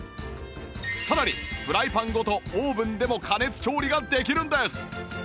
さらにフライパンごとオーブンでも加熱調理ができるんです